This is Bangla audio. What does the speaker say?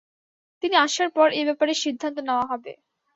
তিনি আসার পর এ ব্যাপারে সিদ্ধান্ত নেওয়া হবে।